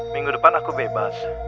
minggu depan aku bebas